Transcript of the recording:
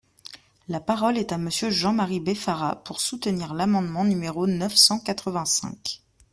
La parole est à Monsieur Jean-Marie Beffara, pour soutenir l’amendement numéro neuf cent quatre-vingt-cinq.